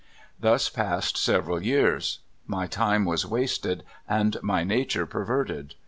Thus passed several years. My time was wasted, and my nature perverted.